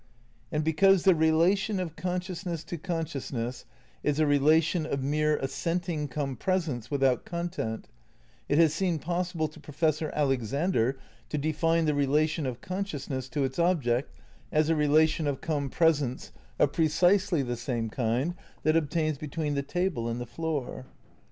And because the relation of consciousness to consciousness is a relation of mere assenting compresence without content, it has seemed possible to Professor Alexander to defibae the relation of consciousness to its object as a relation of compresence of predsely the same kind that obtains between the table and the floor.